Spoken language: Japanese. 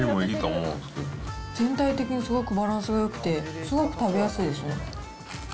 全体的にすごくバランスがよくて、すごく食べやすいですね。